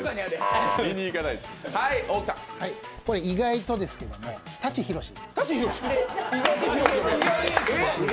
意外とですけどね、舘ひろし。